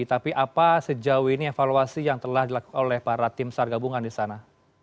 tapi apa sejauh ini evaluasi yang telah dilakukan oleh para tim sar gabungan di sana